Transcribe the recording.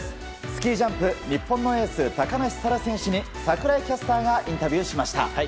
スキージャンプ、日本のエース高梨沙羅選手に櫻井キャスターがインタビューしました。